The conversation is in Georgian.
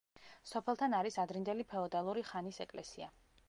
სოფელთან არის ადრინდელი ფეოდალური ხანის ეკლესია.